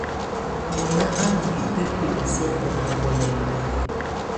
Mɔnà à ndù itǝbilǝ sɔ̀tɔ̀ nà bulɛŋa.